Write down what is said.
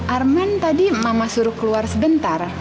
arman tadi mama suruh keluar sebentar